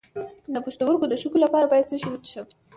د پښتورګو د شګو لپاره باید څه شی وڅښم؟